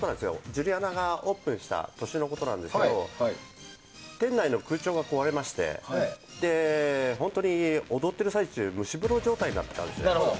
ジュリアナがオープンした年のことなんですけど店内の空調が壊れまして本当に踊ってる最中蒸し風呂状態だったんですよ。